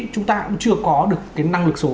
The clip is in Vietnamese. chúng ta cũng chưa có được cái năng lực số